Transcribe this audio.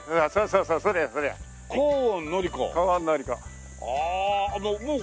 そうそうそうそう。